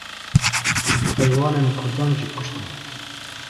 heywanên Kurdan jî kuştin.